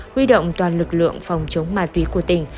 huy động toàn lực lượng phòng chống ma túy của tỉnh